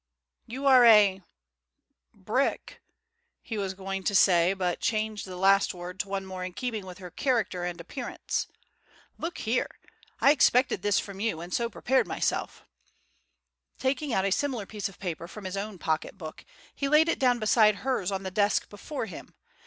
"You are a brick," he was going to say, but changed the last word to one more in keeping with her character and appearance. "Look here. I expected this from you and so prepared myself." Taking out a similar piece of paper from his own pocket book, he laid it down beside hers on the desk before him.